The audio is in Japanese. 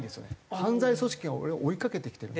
犯罪組織が俺を追いかけてきてると。